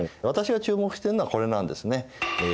私が注目しているのはこれなんですね。